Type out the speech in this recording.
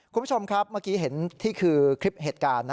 คุณผู้ชมครับเมื่อกี้เห็นที่คือคลิปเหตุการณ์นะ